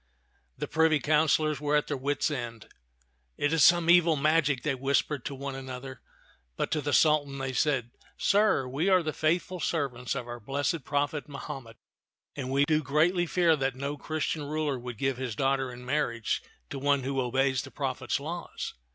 The privy councilors were at their wits' end. "It is some evil magic," they whispered to one an other; but to the Sultan they said, "Sir, we are the faithful servants of our blessed prophet Mahomet; and we do greatly fear that no Christian ruler would give his daughter in marriage to one who obeys the pro phet's laws."